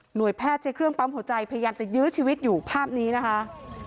แพทย์ใช้เครื่องปั๊มหัวใจพยายามจะยื้อชีวิตอยู่ภาพนี้นะคะ